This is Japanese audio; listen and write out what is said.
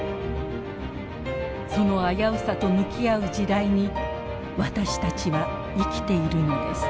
その危うさと向き合う時代に私たちは生きているのです。